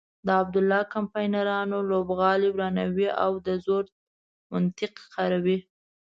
د عبدالله کمپاینران لوبغالی ورانوي او د زور منطق کاروي.